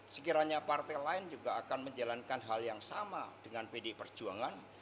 sekiranya partai lain juga akan menjalankan hal yang sama dengan pdi perjuangan